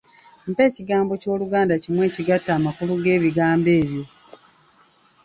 Mpa ekigambo ky'Oluganda kimu ekigatta amakulu g'ebigambo ebyo.